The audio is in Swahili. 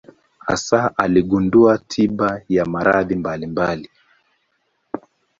Hasa aligundua tiba ya maradhi mbalimbali.